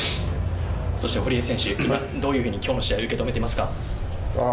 そして堀江選手、今どういうふうに、きょうの試合を受け止めていますか。